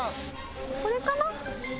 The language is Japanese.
これかな？